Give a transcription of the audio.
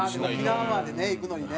沖縄までね行くのにね。